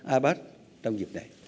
abap trong dịp này